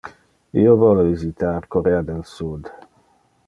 Io vole visitar Corea del Sud.